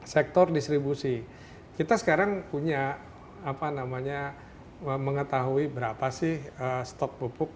sektor distribusi kita sekarang punya apa namanya mengetahui berapa sih stok pupuk